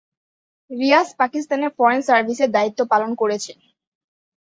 রিয়াজ পাকিস্তানের ফরেন সার্ভিসে দায়িত্ব পালন করেছেন।